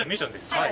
はい。